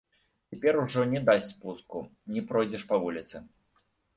Цяпер ужо не дасць спуску, не пройдзеш па вуліцы.